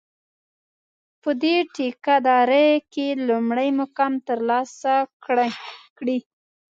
په دې ټېکه داري کې لومړی مقام ترلاسه کړي.